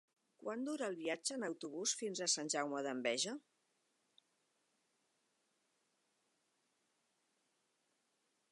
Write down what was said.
Quant dura el viatge en autobús fins a Sant Jaume d'Enveja?